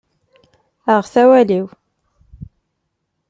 Aɣet awal-iw!